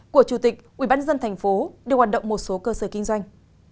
của chủ tịch ubnd tp điều hoạt động một số cơ sở kinh doanh